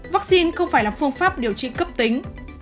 vắc xin không phải là phương pháp điều trị cấp tính